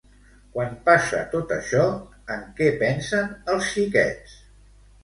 Quan passa tot això, en què pensen els xiquets?